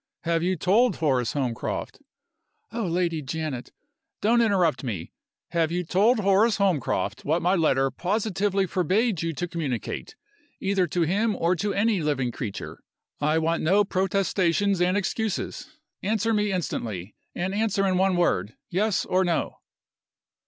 "Have you told Horace Holmcroft " "Oh, Lady Janet " "Don't interrupt me. Have you told Horace Holmcroft what my letter positively forbade you to communicate, either to him or to any living creature? I want no protestations and excuses. Answer me instantly, and answer in one word Yes, or No."